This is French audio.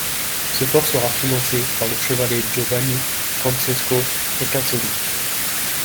Ce fort sera financé par le chevalier Giovani Francesco Ricasoli.